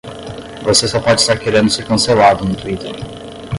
Você só pode estar querendo ser cancelado no Twitter